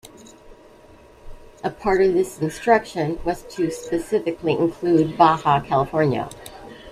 A part of this instruction was to specifically include Baja California.